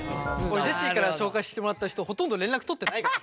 俺ジェシーから紹介してもらった人ほとんど連絡取ってないから。